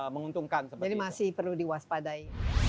menguntungkan jadi masih perlu diwaspadai